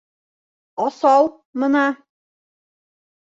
Асау - мына!